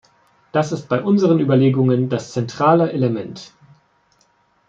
Das ist bei unseren Überlegungen das zentrale Element.